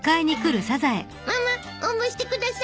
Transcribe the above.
ママおんぶしてください。